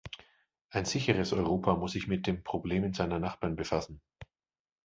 Ein sicheres Europa muss sich mit den Problemen seiner Nachbarn befassen.